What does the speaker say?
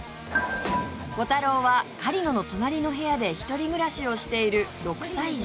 コタローは狩野の隣の部屋で１人暮らしをしている６歳児